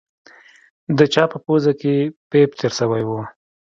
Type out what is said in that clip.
د چا په پوزه کښې پيپ تېر سوى و.